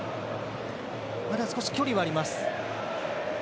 少し距離はあります。